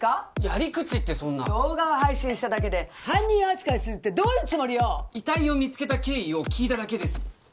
やり口ってそんな動画を配信しただけで犯人扱いするってどういうつもりよ遺体を見つけた経緯を聞いただけです